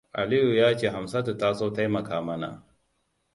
Aliyu ya ce Hamsatu ta so taimaka mana.